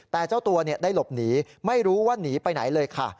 แต่เจ้าตัวได้หลบหนีไม่รู้ว่าหนีไปไหนเลยค่ะ